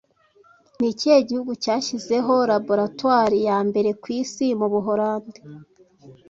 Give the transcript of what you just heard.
Ni ikihe gihugu cyashyizeho laboratoire ya mbere ku isi mu Buholandi